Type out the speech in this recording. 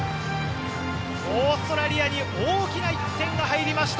オーストラリアに大きな１点が入りました。